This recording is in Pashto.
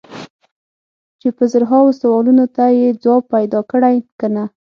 چې په زرهاوو سوالونو ته یې ځواب پیدا کړی که نه.